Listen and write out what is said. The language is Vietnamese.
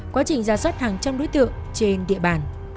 quá trình ra soát hàng trăm đối tượng trên địa bàn